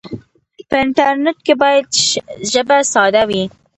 په انټرنیټ کې باید ژبه ساده وي.